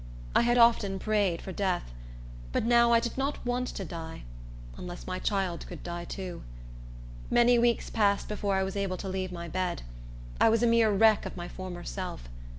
I had often prayed for death; but now I did not want to die, unless my child could die too. Many weeks passed before I was able to leave my bed. I was a mere wreck of my former self.